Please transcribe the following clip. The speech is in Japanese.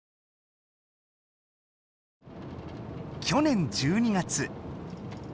去年１２月。